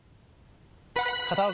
片岡